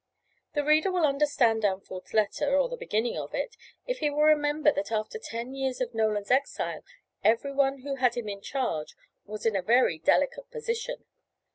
The reader will understand Danforth's letter, or the beginning of it, if he will remember that after ten years of Nolan's exile everyone who had him in charge was in a very delicate position.